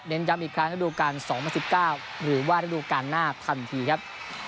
ย้ำอีกครั้งระดูการ๒๐๑๙หรือว่าระดูการหน้าทันทีครับ